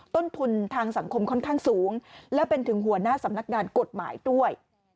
ต้นทุนทางสังคมค่อนข้างสูงและเป็นถึงหัวหน้าสำนักงานกฎหมายด้วย